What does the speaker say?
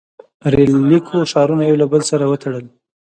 • ریل لیکو ښارونه یو له بل سره وتړل.